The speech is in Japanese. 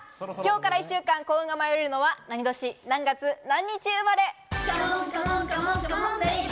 今日から１週間、幸運が舞い降りるのは何年、何月何日生まれ？